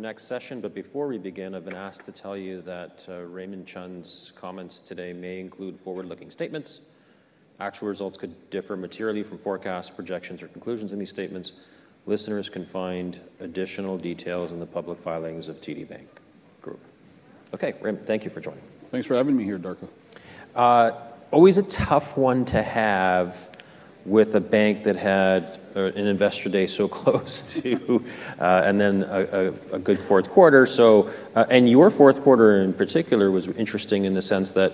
The next session. But before we begin, I've been asked to tell you that Raymond Chun's comments today may include forward-looking statements. Actual results could differ materially from forecasts, projections, or conclusions in these statements. Listeners can find additional details in the public filings of TD Bank Group. Okay, thank you for joining. Thanks for having me here, Darko. Always a tough one to have with a bank that had an Investor Day so close to, and then a good fourth quarter. And your fourth quarter in particular was interesting in the sense that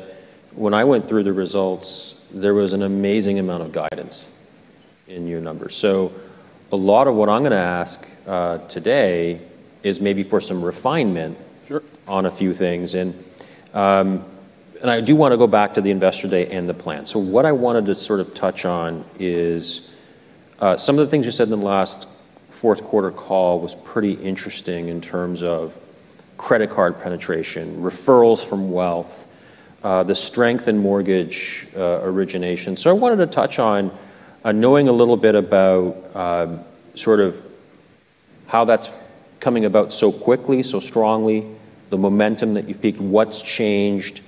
when I went through the results, there was an amazing amount of guidance in your numbers. So a lot of what I'm going to ask today is maybe for some refinement on a few things. And I do want to go back to the Investor Day and the plan. So what I wanted to sort of touch on is some of the things you said in the last fourth quarter call was pretty interesting in terms of credit card penetration, referrals from wealth, the strength in mortgage origination. So I wanted to touch on knowing a little bit about sort of how that's coming about so quickly, so strongly, the momentum that you've peaked, what's changed,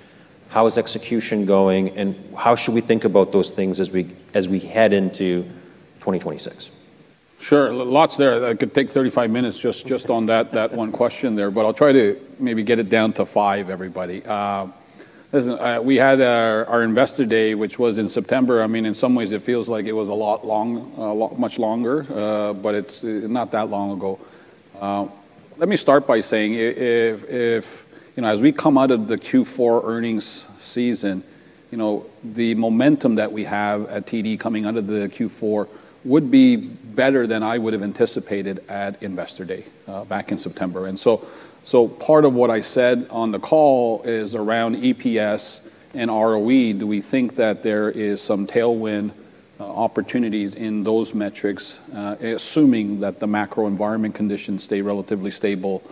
how is execution going, and how should we think about those things as we head into 2026? Sure, lots there. I could take 35 minutes just on that one question there, but I'll try to maybe get it down to five, everybody. Listen, we had our Investor Day, which was in September. I mean, in some ways, it feels like it was a lot long, much longer, but it's not that long ago. Let me start by saying, as we come out of the Q4 earnings season, the momentum that we have at TD coming out of the Q4 would be better than I would have anticipated at Investor Day back in September, and so part of what I said on the call is around EPS and ROE. Do we think that there is some tailwind opportunities in those metrics, assuming that the macro environment conditions stay relatively stable?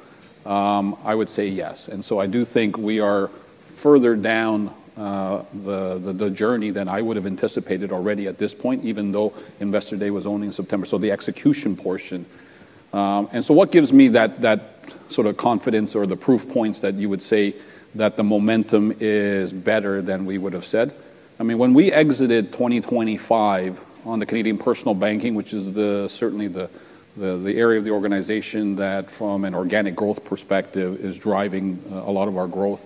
I would say yes. And so I do think we are further down the journey than I would have anticipated already at this point, even though Investor Day was only in September, so the execution portion. And so what gives me that sort of confidence or the proof points that you would say that the momentum is better than we would have said? I mean, when we exited 2025 on the Canadian Personal Banking, which is certainly the area of the organization that, from an organic growth perspective, is driving a lot of our growth,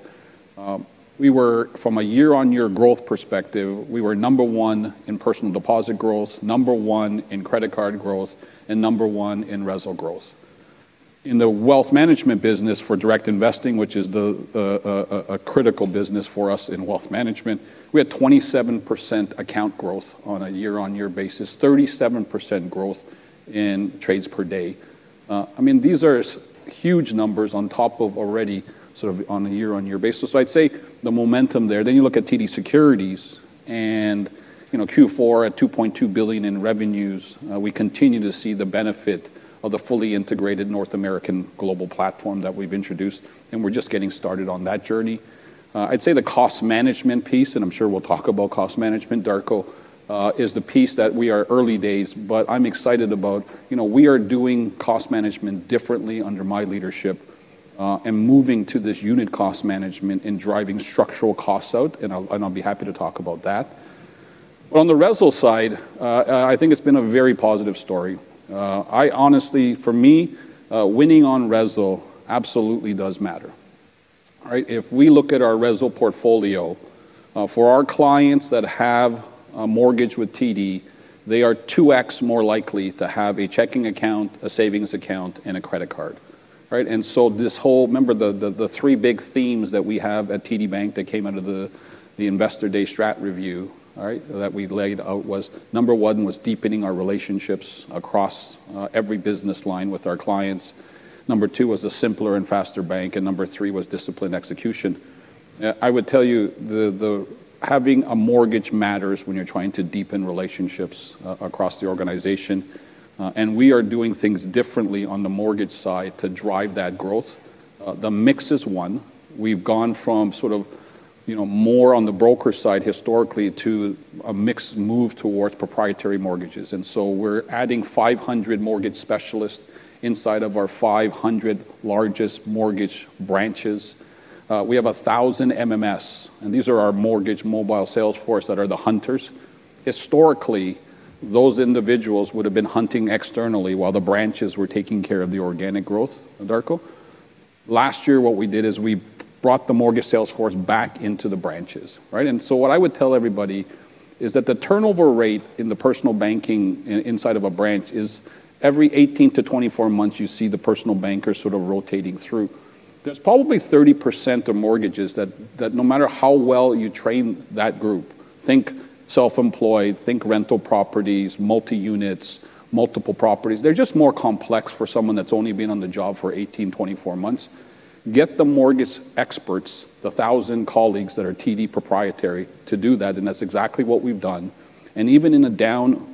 from a year-on-year growth perspective, we were number one in personal deposit growth, number one in credit card growth, and number one in RESL growth. In the Wealth Management business for Direct Investing, which is a critical business for us in Wealth Management, we had 27% account growth on a year-on-year basis, 37% growth in trades per day. I mean, these are huge numbers on top of already sort of on a year-on-year basis. I'd say the momentum there. Then you look at TD Securities and Q4 at 2.2 billion in revenues. We continue to see the benefit of the fully integrated North American global platform that we've introduced, and we're just getting started on that journey. I'd say the cost management piece, and I'm sure we'll talk about cost management, Darko, is the piece that we are early days, but I'm excited about. We are doing cost management differently under my leadership and moving to this unit cost management and driving structural costs out, and I'll be happy to talk about that. But on the RESL side, I think it's been a very positive story. For me, winning on RESL absolutely does matter. If we look at our RESL portfolio, for our clients that have a mortgage with TD, they are 2x more likely to have a checking account, a savings account, and a credit card. And so this whole, remember the three big themes that we have at TD Bank that came out of the Investor Day strat review that we laid out was number one was deepening our relationships across every business line with our clients. Number two was a simpler and faster bank, and number three was disciplined execution. I would tell you having a mortgage matters when you're trying to deepen relationships across the organization. And we are doing things differently on the mortgage side to drive that growth. The mix is one. We've gone from sort of more on the broker side historically to a mixed move towards proprietary mortgages. And so we're adding 500 mortgage specialists inside of our 500 largest mortgage branches. We have 1,000 MMS, and these are our mortgage mobile sales force that are the hunters. Historically, those individuals would have been hunting externally while the branches were taking care of the organic growth, Darko. Last year, what we did is we brought the mortgage sales force back into the branches. And so what I would tell everybody is that the turnover rate in the personal banking inside of a branch is every 18 to 24 months, you see the personal banker sort of rotating through. There's probably 30% of mortgages that no matter how well you train that group, think self-employed, think rental properties, multi-units, multiple properties, they're just more complex for someone that's only been on the job for 18, 24 months. Get the mortgage experts, the 1,000 colleagues that are TD proprietary to do that, and that's exactly what we've done. And even in a down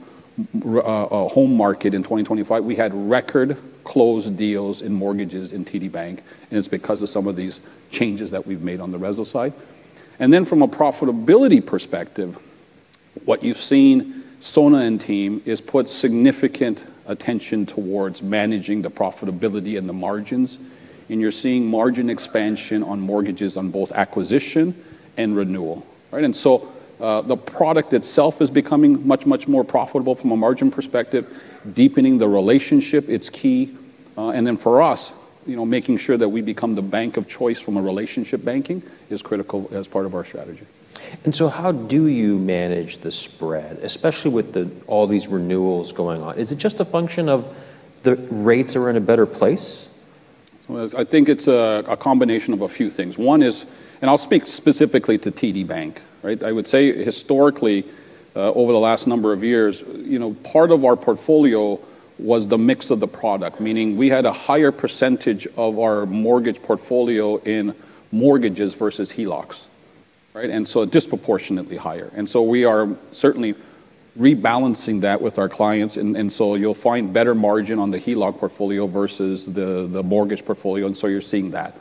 home market in 2025, we had record closed deals in mortgages in TD Bank, and it's because of some of these changes that we've made on the RESL side. And then from a profitability perspective, what you've seen, Sona and team has put significant attention towards managing the profitability and the margins, and you're seeing margin expansion on mortgages on both acquisition and renewal. And so the product itself is becoming much, much more profitable from a margin perspective, deepening the relationship, it's key. And then for us, making sure that we become the bank of choice from a relationship banking is critical as part of our strategy. And so how do you manage the spread, especially with all these renewals going on? Is it just a function of the rates are in a better place? I think it's a combination of a few things. One is, and I'll speak specifically to TD Bank. I would say historically, over the last number of years, part of our portfolio was the mix of the product, meaning we had a higher percentage of our mortgage portfolio in mortgages versus HELOCs, and so disproportionately higher, and so we are certainly rebalancing that with our clients, and so you'll find better margin on the HELOC portfolio versus the mortgage portfolio, and so you're seeing that.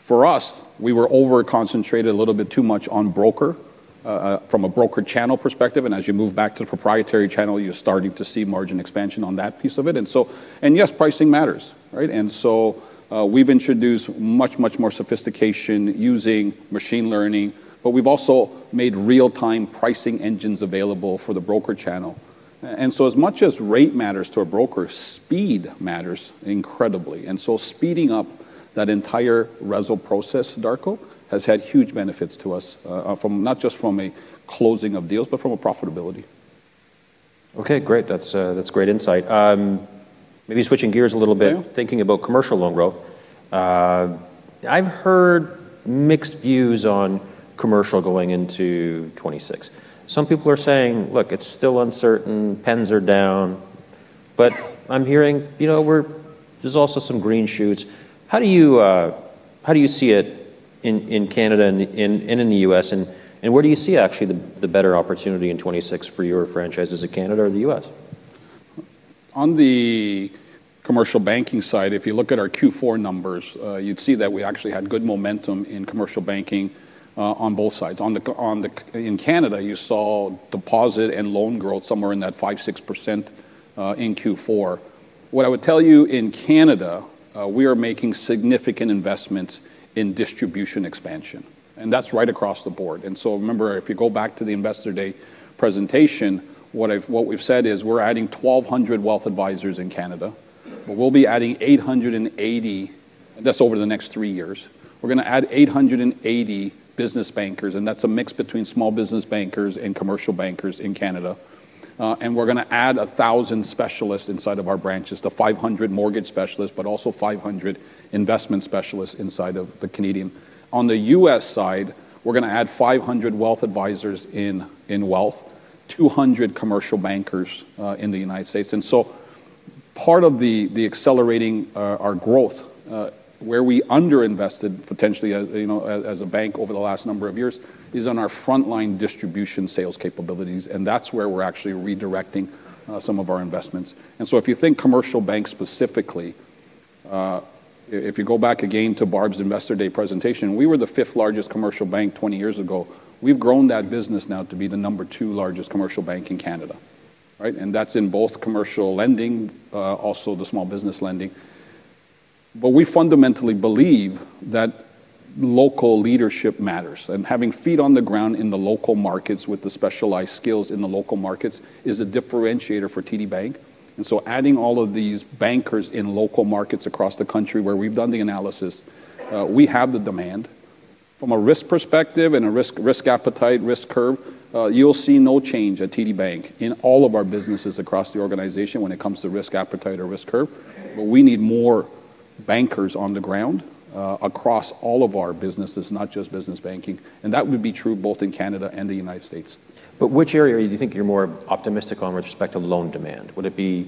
For us, we were over-concentrated a little bit too much on broker from a broker channel perspective, and as you move back to the proprietary channel, you're starting to see margin expansion on that piece of it, and yes, pricing matters, and so we've introduced much, much more sophistication using machine learning, but we've also made real-time pricing engines available for the broker channel. And so as much as rate matters to a broker, speed matters incredibly. And so speeding up that entire RESL process, Darko, has had huge benefits to us, not just from a closing of deals, but from a profitability. Okay, great. That's great insight. Maybe switching gears a little bit, thinking about commercial loan growth. I've heard mixed views on commercial going into 2026. Some people are saying, "Look, it's still uncertain, pens are down," but I'm hearing there's also some green shoots. How do you see it in Canada and in the U.S., and where do you see actually the better opportunity in 2026 for your franchises in Canada or the U.S.? On commercial banking side, if you look at our Q4 numbers, you'd see that we actually had good momentum commercial banking on both sides. In Canada, you saw deposit and loan growth somewhere in that 5%-6% in Q4. What I would tell you in Canada, we are making significant investments in distribution expansion, and that's right across the board. And so remember, if you go back to the Investor Day presentation, what we've said is we're adding 1,200 wealth advisors in Canada, but we'll be adding 880, and that's over the next three years. We're going to add 880 business bankers, and that's a mix between small business bankers and commercial bankers in Canada. And we're going to add 1,000 specialists inside of our branches, the 500 mortgage specialists, but also 500 investment specialists inside of the Canadian. On the U.S. side, we're going to add 500 wealth advisors in wealth, 200 commercial bankers in the United States. And so part of the accelerating our growth, where we underinvested potentially as a bank over the last number of years, is on our frontline distribution sales capabilities, and that's where we're actually redirecting some of our investments. And so if you think commercial bank specifically, if you go back again to Barb's Investor Day presentation, we were the fifth largest commercial bank 20 years ago. We've grown that business now to be the number two largest commercial bank in Canada. And that's in both commercial lending, also the small business lending. But we fundamentally believe that local leadership matters, and having feet on the ground in the local markets with the specialized skills in the local markets is a differentiator for TD Bank. And so adding all of these bankers in local markets across the country where we've done the analysis, we have the demand. From a risk perspective and a risk appetite, risk curve, you'll see no change at TD Bank in all of our businesses across the organization when it comes to risk appetite or risk curve. But we need more bankers on the ground across all of our businesses, not just business banking. And that would be true both in Canada and the United States. But which area do you think you're more optimistic on with respect to loan demand? Would it be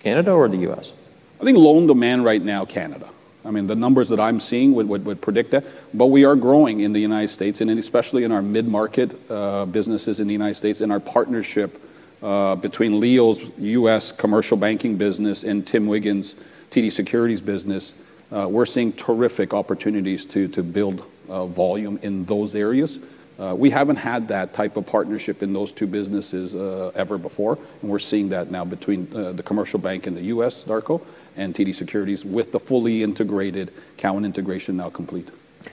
Canada or the U.S.? I think loan demand right now, Canada. I mean, the numbers that I'm seeing would predict that. But we are growing in the United States, and especially in our mid-market businesses in the United States, and our partnership between Leo's commercial banking business and Tim Wiggan's TD Securities business, we're seeing terrific opportunities to build volume in those areas. We haven't had that type of partnership in those two businesses ever before, and we're seeing that now between the commercial bank in the U.S., Darko, and TD Securities with the fully integrated client integration now complete.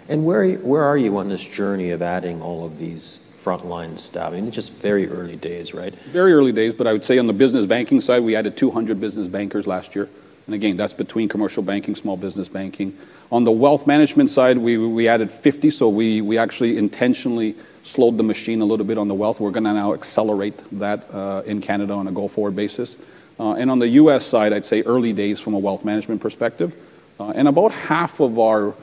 Where are you on this journey of adding all of these frontline staff? I mean, it's just very early days, right? Very early days, but I would say on the business banking side, we added 200 business bankers last year, and again, that's commercial banking, small business banking. On the wealth management side, we added 50, so we actually intentionally slowed the machine a little bit on the wealth. We're going to now accelerate that in Canada on a go-forward basis, and on the U.S. side, I'd say early days from a wealth management perspective, and about half of our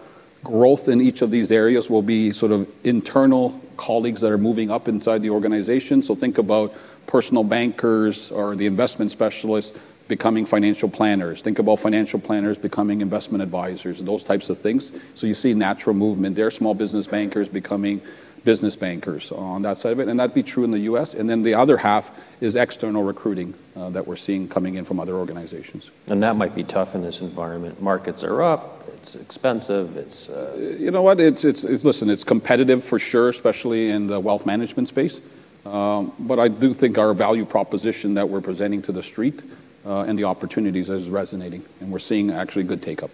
growth in each of these areas will be sort of internal colleagues that are moving up inside the organization, so think about personal bankers or the investment specialists becoming financial planners. Think about financial planners becoming investment advisors and those types of things, so you see natural movement there, small business bankers becoming business bankers on that side of it, and that'd be true in the U.S. And then the other half is external recruiting that we're seeing coming in from other organizations. And that might be tough in this environment. Markets are up, it's expensive, it's. You know what? Listen, it's competitive for sure, especially in the wealth management space. But I do think our value proposition that we're presenting to the street and the opportunities is resonating, and we're seeing actually good take-up.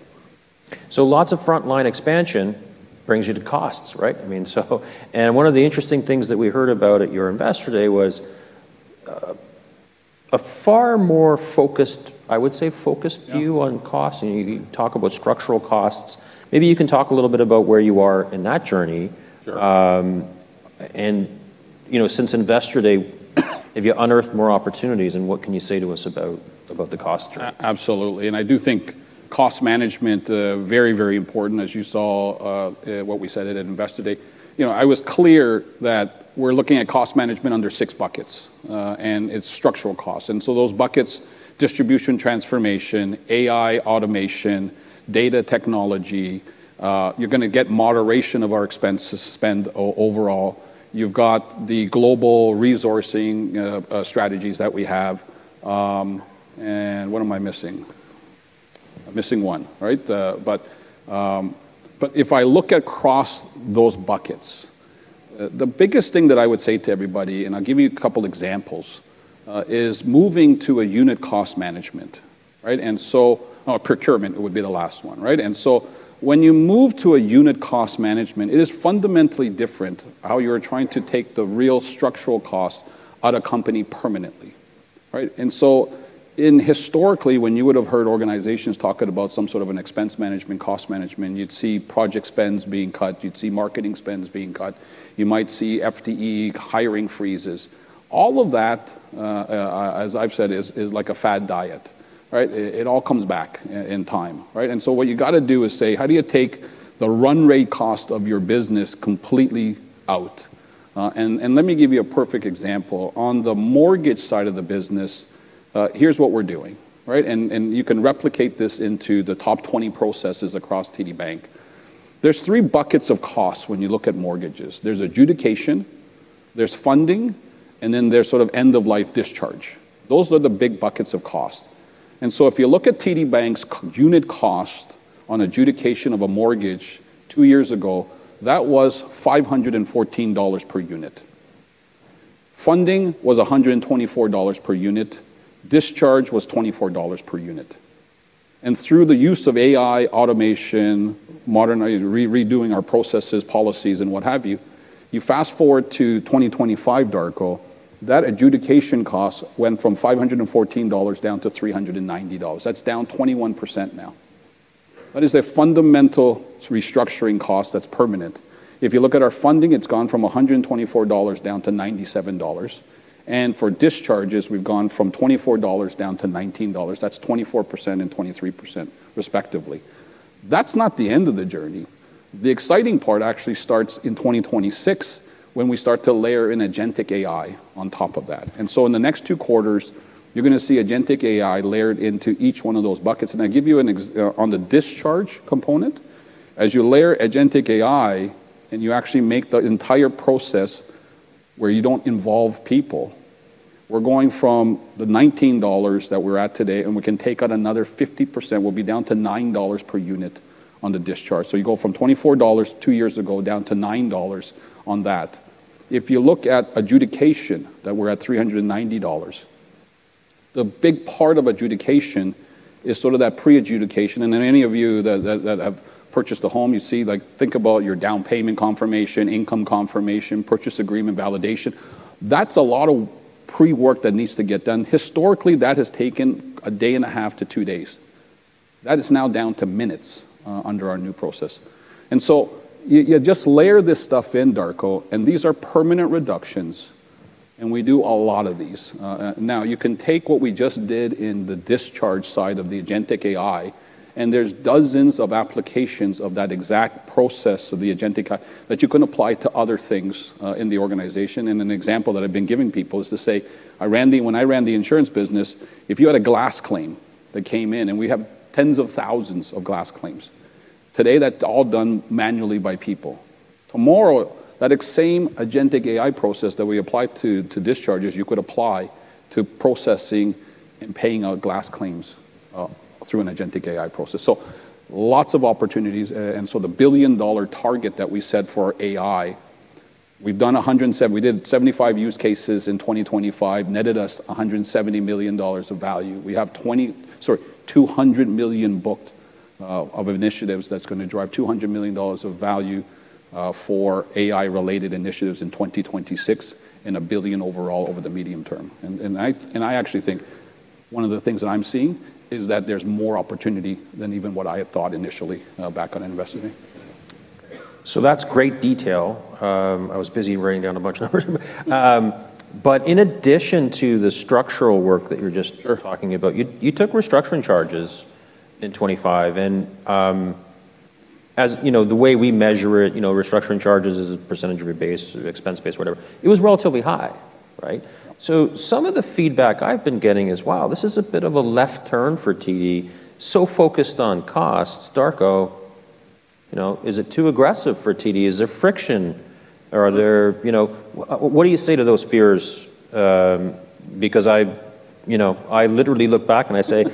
Lots of frontline expansion brings you to costs, right? And one of the interesting things that we heard about at your Investor Day was a far more focused, I would say focused view on costs. You talk about structural costs. Maybe you can talk a little bit about where you are in that journey. And since Investor Day, have you unearthed more opportunities, and what can you say to us about the cost journey? Absolutely. And I do think cost management, very, very important, as you saw what we said at Investor Day. I was clear that we're looking at cost management under six buckets, and it's structural costs. And so those buckets, distribution transformation, AI, automation, data technology, you're going to get moderation of our expenses spend overall. You've got the global resourcing strategies that we have. And what am I missing? I'm missing one, right? But if I look across those buckets, the biggest thing that I would say to everybody, and I'll give you a couple of examples, is moving to a unit cost management. And so procurement would be the last one. And so when you move to a unit cost management, it is fundamentally different how you're trying to take the real structural costs out of a company permanently. And so historically, when you would have heard organizations talking about some sort of an expense management, cost management, you'd see project spends being cut, you'd see marketing spends being cut, you might see FTE hiring freezes. All of that, as I've said, is like a fad diet. It all comes back in time. And so what you got to do is say, how do you take the run rate cost of your business completely out? And let me give you a perfect example. On the mortgage side of the business, here's what we're doing. And you can replicate this into the top 20 processes across TD Bank. There's three buckets of costs when you look at mortgages. There's adjudication, there's funding, and then there's sort of end-of-life discharge. Those are the big buckets of costs. And so if you look at TD Bank's unit cost on adjudication of a mortgage two years ago, that was 514 dollars per unit. Funding was 124 dollars per unit. Discharge was 24 dollars per unit. And through the use of AI, automation, modernizing, redoing our processes, policies, and what have you, you fast forward to 2025, Darko, that adjudication cost went from 514 dollars down to 390 dollars. That's down 21% now. That is a fundamental restructuring cost that's permanent. If you look at our funding, it's gone from 124 dollars down to 97 dollars. And for discharges, we've gone from 24 dollars down to 19 dollars. That's 24% and 23% respectively. That's not the end of the journey. The exciting part actually starts in 2026 when we start to layer in agentic AI on top of that. And so in the next two quarters, you're going to see agentic AI layered into each one of those buckets. I give you an example on the discharge component. As you layer Agentic AI and you actually make the entire process where you don't involve people, we're going from the 19 dollars that we're at today, and we can take out another 50%, we'll be down to 9 dollars per unit on the discharge. So you go from 24 dollars two years ago down to 9 dollars on that. If you look at adjudication, that we're at 390 dollars. The big part of adjudication is sort of that pre-adjudication. And then any of you that have purchased a home, you see, think about your down payment confirmation, income confirmation, purchase agreement validation. That's a lot of pre-work that needs to get done. Historically, that has taken a day and a half to two days. That is now down to minutes under our new process. You just layer this stuff in, Darko, and these are permanent reductions, and we do a lot of these. Now, you can take what we just did in the discharge side of the agentic AI, and there's dozens of applications of that exact process of the agentic AI that you can apply to other things in the organization. An example that I've been giving people is to say, when I ran the insurance business, if you had a glass claim that came in, and we have tens of thousands of glass claims, today that's all done manually by people. Tomorrow, that same agentic AI process that we apply to discharges, you could apply to processing and paying out glass claims through an agentic AI process. Lots of opportunities. And so the billion-dollar target that we set for AI, we've done 100, we did 75 use cases in 2025, netted us 170 million dollars of value. We have 20, sorry, 200 million booked of initiatives that's going to drive 200 million dollars of value for AI-related initiatives in 2026 and a billion overall over the medium term. And I actually think one of the things that I'm seeing is that there's more opportunity than even what I had thought initially back on Investor Day. So that's great detail. I was busy writing down a bunch of numbers. But in addition to the structural work that you're just talking about, you took restructuring charges in 2025. And the way we measure it, restructuring charges is a percentage of your base, expense base, whatever. It was relatively high, right? So some of the feedback I've been getting is, wow, this is a bit of a left turn for TD. So focused on costs, Darko, is it too aggressive for TD? Is there friction? Or what do you say to those fears? Because I literally look back and I say,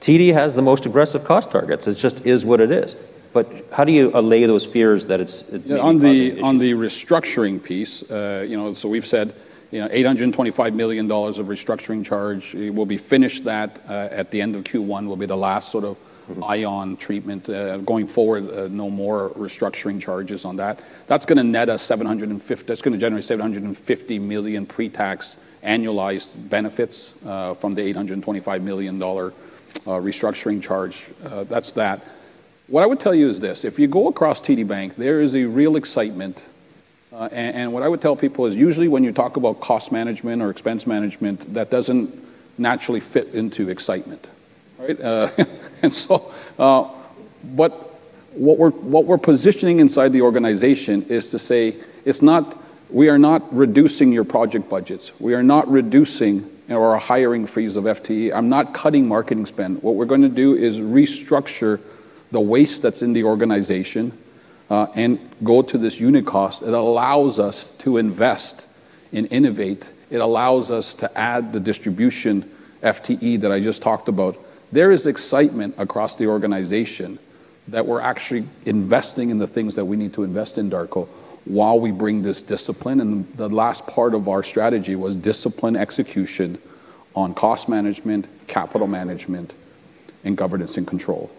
TD has the most aggressive cost targets. It just is what it is. But how do you allay those fears that it's? On the restructuring piece, so we've said 825 million dollars of restructuring charge. We'll be finished that at the end of Q1. That will be the last sort of write-off treatment. Going forward, no more restructuring charges on that. That's going to net us 750 million. That's going to generate 750 million pre-tax annualized benefits from the 825 million dollar restructuring charge. That's that. What I would tell you is this. If you go across TD Bank, there is a real excitement. What I would tell people is usually when you talk about cost management or expense management, that doesn't naturally fit into excitement. What we're positioning inside the organization is to say, we are not reducing your project budgets. We are not reducing our hiring freeze or FTE. I'm not cutting marketing spend. What we're going to do is restructure the waste that's in the organization and go to this unit cost. It allows us to invest and innovate. It allows us to add the distribution FTE that I just talked about. There is excitement across the organization that we're actually investing in the things that we need to invest in, Darko, while we bring this discipline. And the last part of our strategy was disciplined execution on cost management, capital management, and governance and control.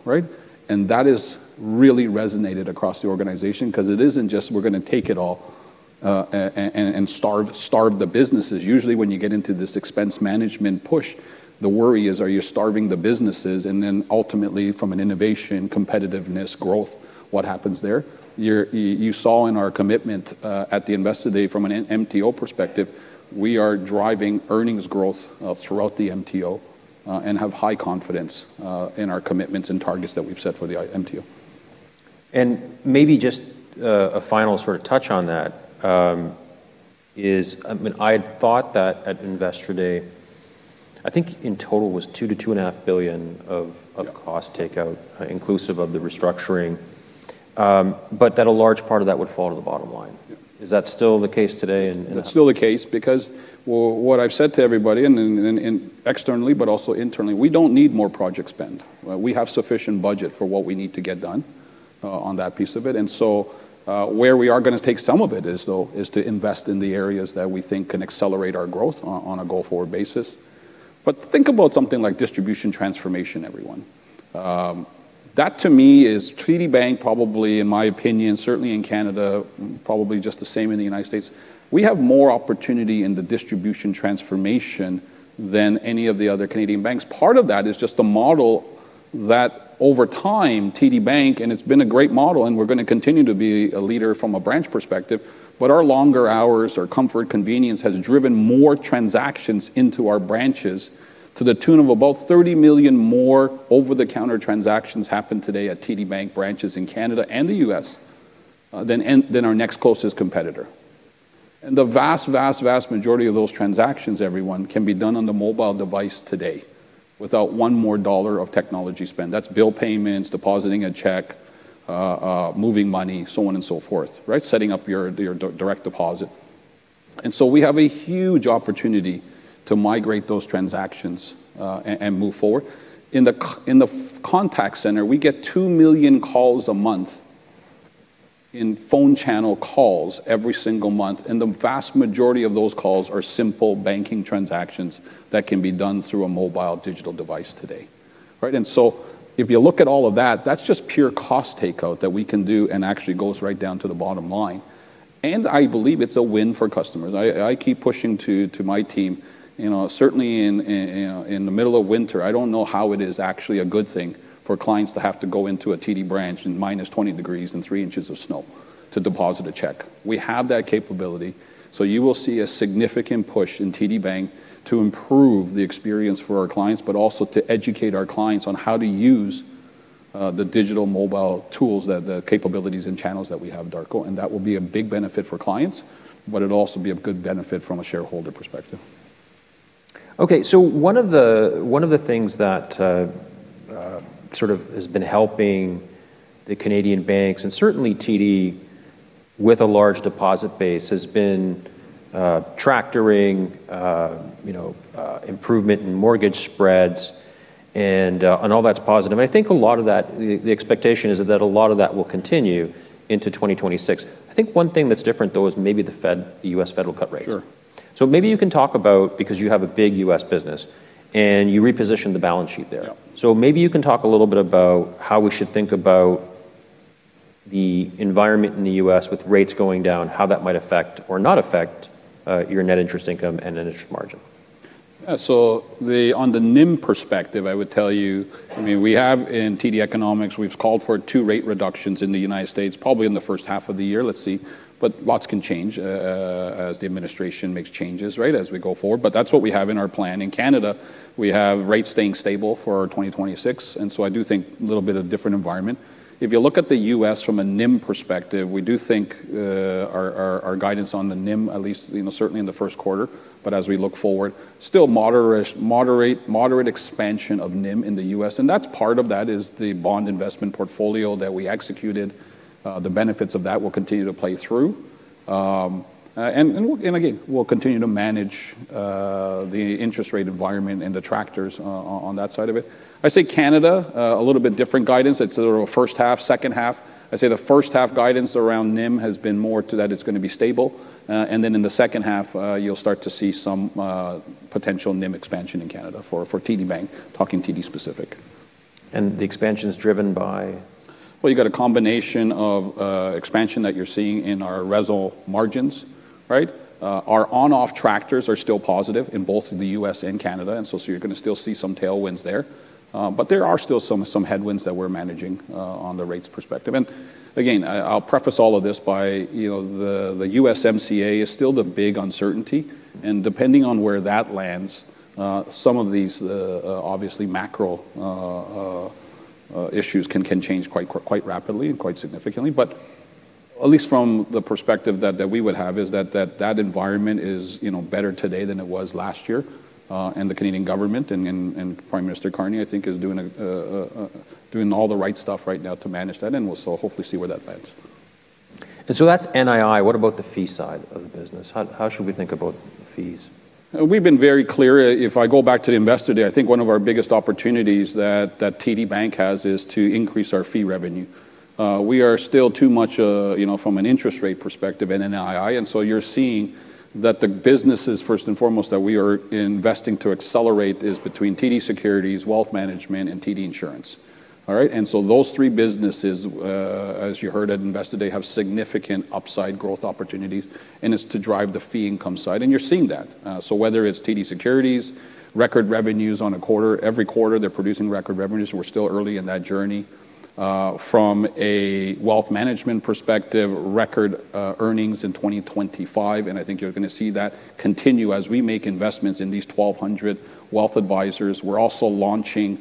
And that has really resonated across the organization because it isn't just we're going to take it all and starve the businesses. Usually when you get into this expense management push, the worry is, are you starving the businesses? And then ultimately, from an innovation, competitiveness, growth, what happens there? You saw in our commitment at the Investor Day from an MTO perspective, we are driving earnings growth throughout the MTO and have high confidence in our commitments and targets that we've set for the MTO. Maybe just a final sort of touch on that is, I mean, I had thought that at Investor Day, I think in total was 2 billion-2.5 billion of cost take-out, inclusive of the restructuring, but that a large part of that would fall to the bottom line. Is that still the case today? It's still the case because what I've said to everybody externally, but also internally, we don't need more project spend. We have sufficient budget for what we need to get done on that piece of it. And so where we are going to take some of it is to invest in the areas that we think can accelerate our growth on a go-forward basis. But think about something like distribution transformation, everyone. That to me is TD Bank, probably in my opinion, certainly in Canada, probably just the same in the United States. We have more opportunity in the distribution transformation than any of the other Canadian banks. Part of that is just the model that over time, TD Bank, and it's been a great model, and we're going to continue to be a leader from a branch perspective, but our longer hours, our comfort, convenience has driven more transactions into our branches to the tune of about 30 million more over-the-counter transactions happen today at TD Bank branches in Canada and the U.S. than our next closest competitor. And the vast, vast, vast majority of those transactions, everyone, can be done on the mobile device today without one more dollar of technology spend. That's bill payments, depositing a check, moving money, so on and so forth, setting up your direct deposit. And so we have a huge opportunity to migrate those transactions and move forward. In the contact center, we get 2 million calls a month in phone channel calls every single month. And the vast majority of those calls are simple banking transactions that can be done through a mobile digital device today. And so if you look at all of that, that's just pure cost take-out that we can do and actually goes right down to the bottom line. And I believe it's a win for customers. I keep pushing to my team. Certainly in the middle of winter, I don't know how it is actually a good thing for clients to have to go into a TD branch in -20 degrees Celsius and three inches of snow to deposit a check. We have that capability. So you will see a significant push in TD Bank to improve the experience for our clients, but also to educate our clients on how to use the digital mobile tools, the capabilities and channels that we have, Darko. That will be a big benefit for clients, but it'll also be a good benefit from a shareholder perspective. Okay. So one of the things that sort of has been helping the Canadian banks and certainly TD with a large deposit base has been tractoring improvement in mortgage spreads. And all that's positive. And I think a lot of that, the expectation is that a lot of that will continue into 2026. I think one thing that's different, though, is maybe the U.S. federal cut rates. So maybe you can talk about, because you have a big U.S. business, and you repositioned the balance sheet there. So maybe you can talk a little bit about how we should think about the environment in the U.S. with rates going down, how that might affect or not affect your net interest income and interest margin. So on the NIM perspective, I would tell you, I mean, we have in TD Economics, we've called for two rate reductions in the United States, probably in the first half of the year. Let's see. But lots can change as the administration makes changes as we go forward. But that's what we have in our plan. In Canada, we have rates staying stable for 2026. And so I do think a little bit of a different environment. If you look at the U.S. from a NIM perspective, we do think our guidance on the NIM, at least certainly in the first quarter, but as we look forward, still moderate expansion of NIM in the U.S. And that's part of that is the bond investment portfolio that we executed. The benefits of that will continue to play through. Again, we'll continue to manage the interest rate environment and the tractors on that side of it. In Canada, a little bit different guidance. It's sort of a first half, second half. In the first half, guidance around NIM has been more to that it's going to be stable, and then in the second half, you'll start to see some potential NIM expansion in Canada for TD Bank, talking TD specific. The expansion is driven by? Well, you've got a combination of expansion that you're seeing in our RESL margins. Our on-off tractors are still positive in both the U.S. and Canada. And so you're going to still see some tailwinds there. But there are still some headwinds that we're managing on the rates perspective. And again, I'll preface all of this by the USMCA is still the big uncertainty. And depending on where that lands, some of these obviously macro issues can change quite rapidly and quite significantly. But at least from the perspective that we would have is that that environment is better today than it was last year. And the Canadian government and Prime Minister Carney, I think, is doing all the right stuff right now to manage that. And we'll hopefully see where that lands. And so that's NII. What about the fee side of the business? How should we think about fees? We've been very clear. If I go back to the Investor Day, I think one of our biggest opportunities that TD Bank has is to increase our fee revenue. We are still too much from an interest rate perspective in NII. And so you're seeing that the businesses first and foremost that we are investing to accelerate is between TD Securities, Wealth Management, and TD Insurance. And so those three businesses, as you heard at Investor Day, have significant upside growth opportunities. And it's to drive the fee income side. And you're seeing that. So whether it's TD Securities, record revenues on a quarter, every quarter they're producing record revenues. We're still early in that journey. From a wealth management perspective, record earnings in 2025. And I think you're going to see that continue as we make investments in these 1,200 wealth advisors. We're also launching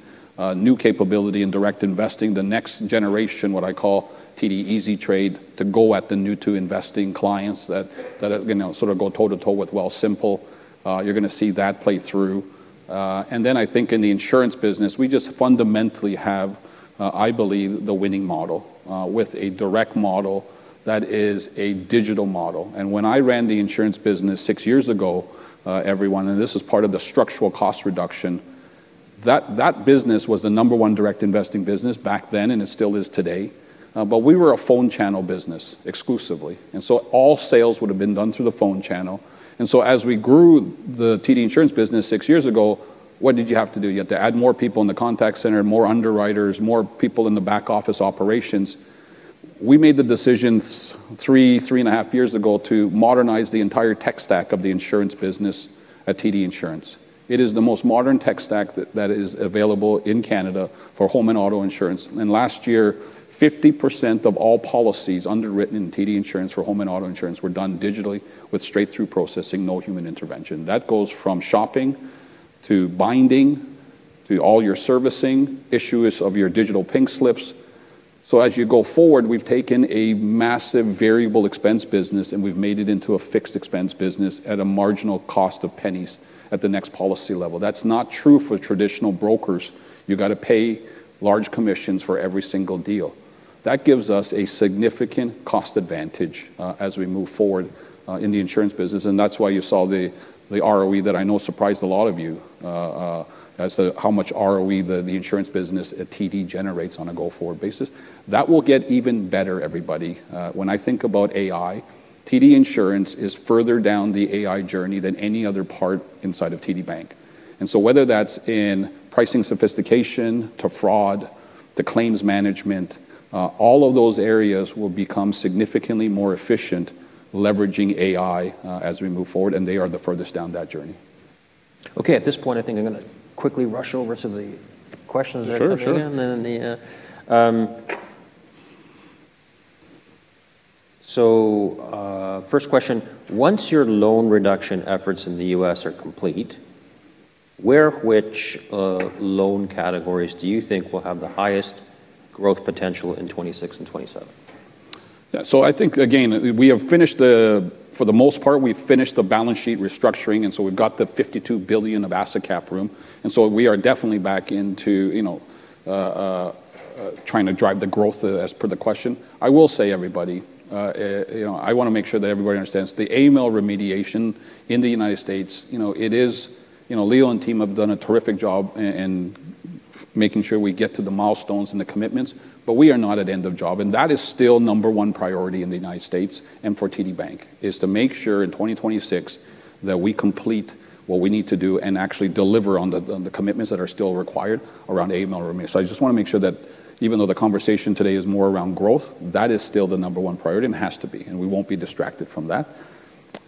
new capability in direct investing, the next generation, what I call TD Easy Trade to go at the new to investing clients that sort of go toe to toe with Wealthsimple. You're going to see that play through. And then I think in the insurance business, we just fundamentally have, I believe, the winning model with a direct model that is a digital model. And when I ran the insurance business six years ago, everyone, and this is part of the structural cost reduction, that business was the number one direct investing business back then and it still is today. But we were a phone channel business exclusively. And so all sales would have been done through the phone channel. And so as we grew the TD Insurance business six years ago, what did you have to do? You had to add more people in the contact center, more underwriters, more people in the back office operations. We made the decisions three, three and a half years ago to modernize the entire tech stack of the insurance business at TD Insurance. It is the most modern tech stack that is available in Canada for home and auto insurance. And last year, 50% of all policies underwritten in TD Insurance for home and auto insurance were done digitally with straight through processing, no human intervention. That goes from shopping to binding to all your servicing issues of your digital pink slips. So as you go forward, we've taken a massive variable expense business and we've made it into a fixed expense business at a marginal cost of pennies at the next policy level. That's not true for traditional brokers. You've got to pay large commissions for every single deal. That gives us a significant cost advantage as we move forward in the insurance business. And that's why you saw the ROE that I know surprised a lot of you as to how much ROE the insurance business at TD generates on a go-forward basis. That will get even better, everybody. When I think about AI, TD Insurance is further down the AI journey than any other part inside of TD Bank. And so whether that's in pricing sophistication to fraud, to claims management, all of those areas will become significantly more efficient leveraging AI as we move forward. And they are the furthest down that journey. Okay. At this point, I think I'm going to quickly rush over to the questions that are coming in. Sure, sure. First question, once your loan reduction efforts in the U.S. are complete, which loan categories do you think will have the highest growth potential in 2026 and 2027? Yeah. So I think, again, for the most part, we have finished the balance sheet restructuring. So we've got the $52 billion of asset cap room. So we are definitely back into trying to drive the growth as per the question. I will say, everybody. I want to make sure that everybody understands the AML remediation in the United States. It is Leo and team have done a terrific job in making sure we get to the milestones and the commitments, but we are not at end of job. That is still number one priority in the United States and for TD Bank, to make sure in 2026 that we complete what we need to do and actually deliver on the commitments that are still required around AML remediation. So I just want to make sure that even though the conversation today is more around growth, that is still the number one priority and has to be. And we won't be distracted from that.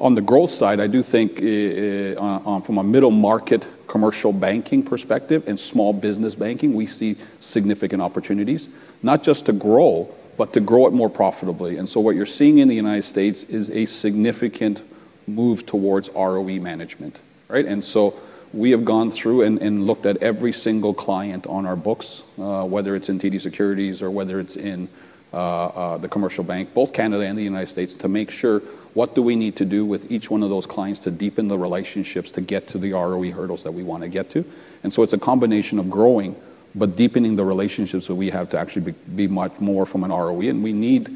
On the growth side, I do think from a middle commercial banking perspective and small business banking, we see significant opportunities, not just to grow, but to grow it more profitably. And so what you're seeing in the United States is a significant move towards ROE management. And so we have gone through and looked at every single client on our books, whether it's in TD Securities or whether it's in the commercial bank, both Canada and the United States, to make sure what do we need to do with each one of those clients to deepen the relationships to get to the ROE hurdles that we want to get to. And so it's a combination of growing, but deepening the relationships that we have to actually be much more from an ROE. And we need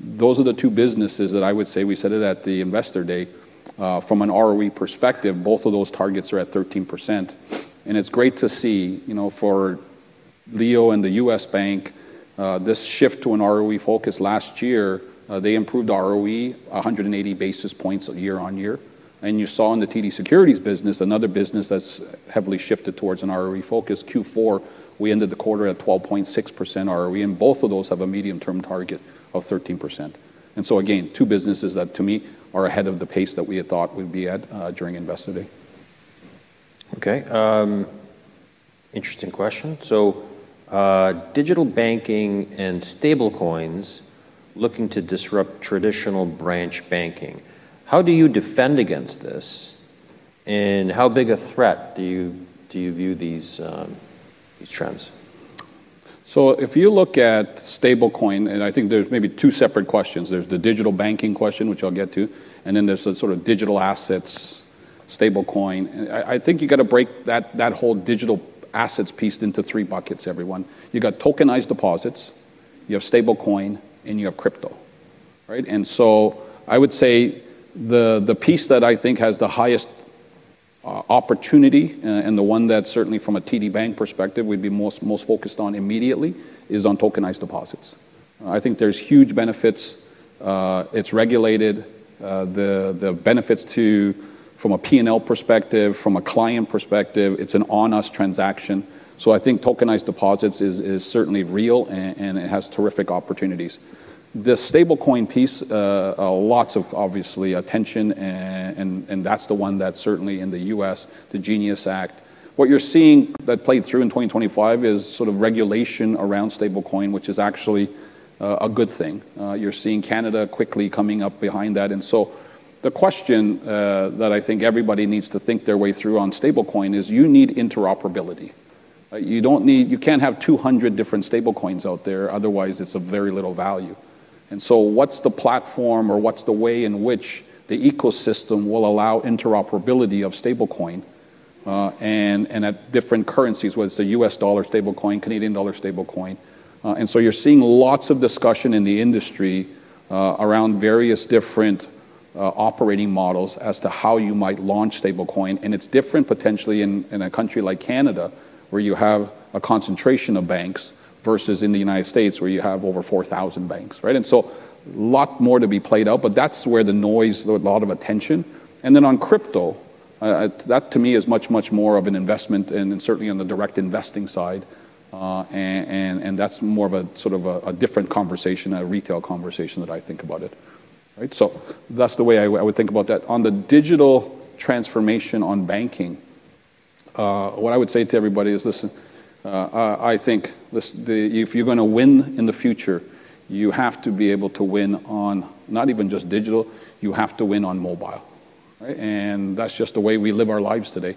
those are the two businesses that I would say we said it at the Investor Day. From an ROE perspective, both of those targets are at 13%. And it's great to see for Leo and the U.S. Bank, this shift to an ROE focus last year. They improved ROE 180 basis points year-on-year. And you saw in the TD Securities business, another business that's heavily shifted towards an ROE focus. Q4, we ended the quarter at 12.6% ROE. And both of those have a medium-term target of 13%. And so again, two businesses that to me are ahead of the pace that we had thought we'd be at during Investor Day. Okay. Interesting question. So digital banking and stablecoins looking to disrupt traditional branch banking. How do you defend against this? And how big a threat do you view these trends? So if you look at stablecoin, and I think there's maybe two separate questions. There's the digital banking question, which I'll get to. And then there's the sort of digital assets, stablecoin. I think you've got to break that whole digital assets piece into three buckets, everyone. You've got tokenized deposits, you have stablecoin, and you have crypto. And so I would say the piece that I think has the highest opportunity and the one that certainly from a TD Bank perspective we'd be most focused on immediately is on tokenized deposits. I think there's huge benefits. It's regulated. The benefits from a P&L perspective, from a client perspective, it's an on-us transaction. So I think tokenized deposits is certainly real and it has terrific opportunities. The stablecoin piece, lots of obvious attention, and that's the one that certainly in the U.S., the GENIUS Act. What you're seeing that played through in 2025 is sort of regulation around stablecoin, which is actually a good thing. You're seeing Canada quickly coming up behind that. And so the question that I think everybody needs to think their way through on stablecoin is you need interoperability. You can't have 200 different stablecoins out there. Otherwise, it's of very little value. And so what's the platform or what's the way in which the ecosystem will allow interoperability of stablecoin and at different currencies, whether it's a U.S. dollar stablecoin, Canadian dollar stablecoin. And so you're seeing lots of discussion in the industry around various different operating models as to how you might launch stablecoin. And it's different potentially in a country like Canada where you have a concentration of banks versus in the United States where you have over 4,000 banks. And so, a lot more to be played out, but that's where the noise, a lot of attention. And then on crypto, that to me is much, much more of an investment and certainly on the direct investing side. And that's more of a sort of a different conversation, a retail conversation that I think about it. So that's the way I would think about that. On the digital transformation on banking, what I would say to everybody is listen, I think if you're going to win in the future, you have to be able to win on not even just digital, you have to win on mobile. And that's just the way we live our lives today.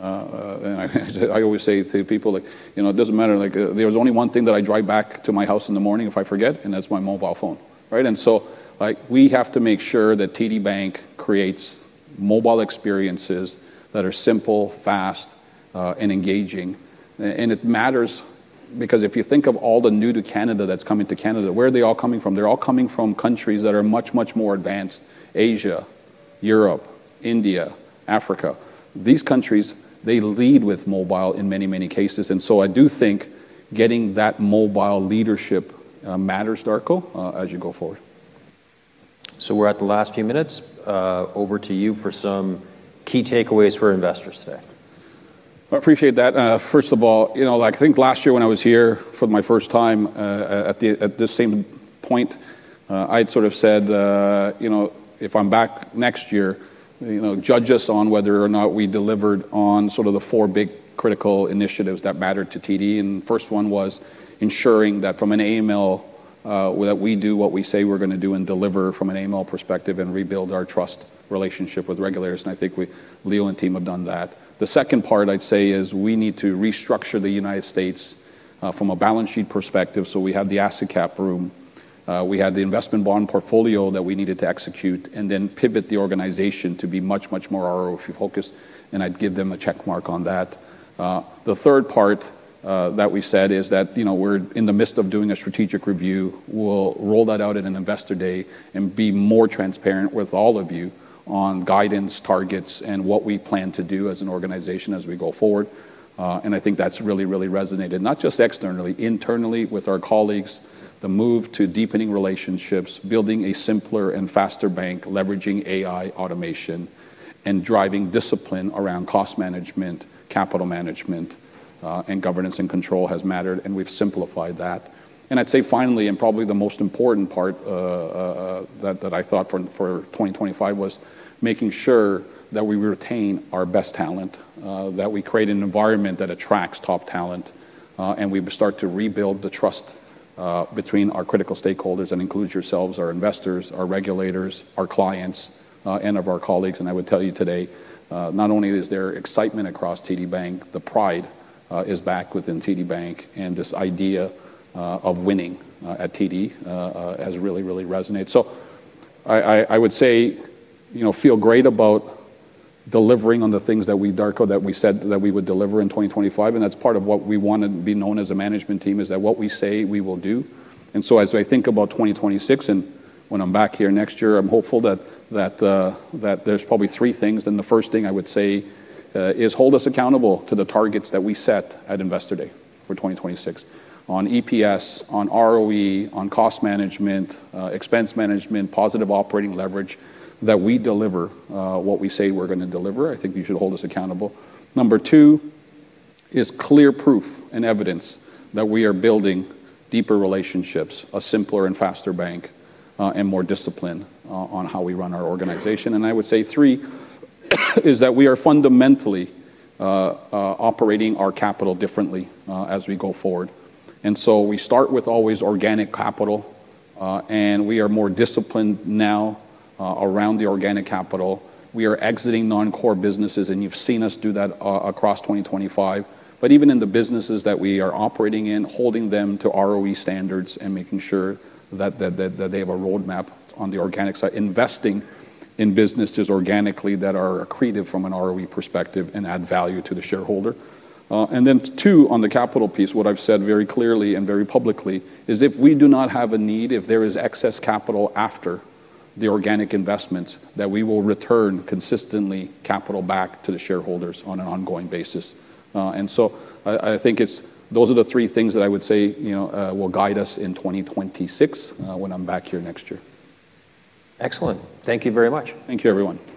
And I always say to people, it doesn't matter. There's only one thing that I drive back to my house in the morning if I forget, and that's my mobile phone. And so we have to make sure that TD Bank creates mobile experiences that are simple, fast, and engaging. And it matters because if you think of all the new to Canada that's coming to Canada, where are they all coming from? They're all coming from countries that are much, much more advanced: Asia, Europe, India, Africa. These countries, they lead with mobile in many, many cases. And so I do think getting that mobile leadership matters, Darko, as you go forward. So we're at the last few minutes. Over to you for some key takeaways for investors today. I appreciate that. First of all, I think last year when I was here for my first time at this same point, I had sort of said, if I'm back next year, judge us on whether or not we delivered on sort of the four big critical initiatives that mattered to TD, and the first one was ensuring that from an AML, that we do what we say we're going to do and deliver from an AML perspective and rebuild our trust relationship with regulators, and I think Leo and team have done that. The second part I'd say is we need to restructure the United States from a balance sheet perspective, so we have the asset cap room. We had the investment bond portfolio that we needed to execute and then pivot the organization to be much, much more ROE focused, and I'd give them a checkmark on that. The third part that we said is that we're in the midst of doing a strategic review. We'll roll that out at an Investor Day and be more transparent with all of you on guidance, targets, and what we plan to do as an organization as we go forward. And I think that's really, really resonated, not just externally, internally with our colleagues, the move to deepening relationships, building a simpler and faster bank, leveraging AI automation, and driving discipline around cost management, capital management, and governance and control has mattered. And we've simplified that. I'd say finally, and probably the most important part that I thought for 2025 was making sure that we retain our best talent, that we create an environment that attracts top talent, and we start to rebuild the trust between our critical stakeholders and includes yourselves, our investors, our regulators, our clients, and of our colleagues. I would tell you today, not only is there excitement across TD Bank, the pride is back within TD Bank. This idea of winning at TD has really, really resonated. So I would say feel great about delivering on the things that we, Darko, that we said that we would deliver in 2025. That's part of what we want to be known as a management team is that what we say we will do. And so as I think about 2026 and when I'm back here next year, I'm hopeful that there's probably three things. And the first thing I would say is hold us accountable to the targets that we set at Investor Day for 2026 on EPS, on ROE, on cost management, expense management, positive operating leverage that we deliver what we say we're going to deliver. I think you should hold us accountable. Number two is clear proof and evidence that we are building deeper relationships, a simpler and faster bank, and more discipline on how we run our organization. And I would say three is that we are fundamentally operating our capital differently as we go forward. And so we start with always organic capital, and we are more disciplined now around the organic capital. We are exiting non-core businesses, and you've seen us do that across 2025. But even in the businesses that we are operating in, holding them to ROE standards and making sure that they have a roadmap on the organic side, investing in businesses organically that are accretive from an ROE perspective and add value to the shareholder. And then two, on the capital piece, what I've said very clearly and very publicly is if we do not have a need, if there is excess capital after the organic investments, that we will return consistently capital back to the shareholders on an ongoing basis. And so I think those are the three things that I would say will guide us in 2026 when I'm back here next year. Excellent. Thank you very much. Thank you, everyone. Thank you.